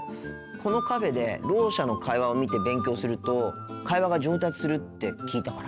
このカフェでろう者の会話を見て勉強すると会話が上達するって聞いたから。